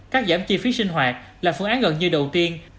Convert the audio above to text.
cắt giảm chi phí sinh hoạt là phương án gần như đầu tiên